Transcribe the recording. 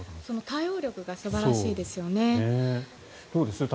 対応力が素晴らしいですよね。